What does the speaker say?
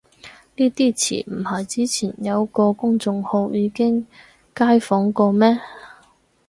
呢啲詞唔係之前有個公眾號已經街訪過咩